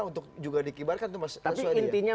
untuk juga dikibarkan tapi intinya